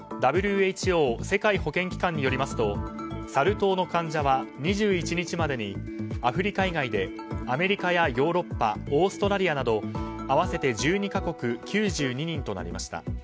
ＷＨＯ・世界保健機関によりますとサル痘の患者は２１日までにアフリカ以外でアメリカやヨーロッパオーストラリアなど合わせて１２か国９２人となりました。